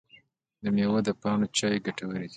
د میوو د پاڼو چای ګټور دی؟